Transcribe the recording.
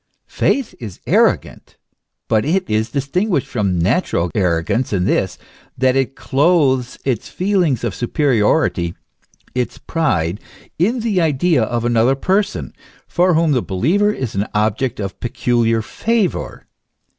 Faith is arrogant, but it is distin guished from natural arrogance in this, that it clothes its feel ing of superiority, its pride, in the idea of another person, for whom the believer is an object of peculiar favour.